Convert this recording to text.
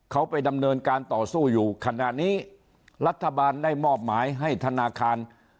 เขาไปดำเนินการต่อสู้อยู่ขณะนี้รัฐบาลได้มอบหมายให้ธนาคาร